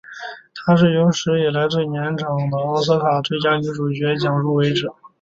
她是有史以来最年长的奥斯卡最佳女主角奖入围者。